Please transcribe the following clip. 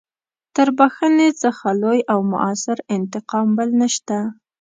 تر بخښنې څخه لوی او مؤثر انتقام بل نشته.